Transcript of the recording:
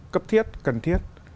cấp thiết cần thiết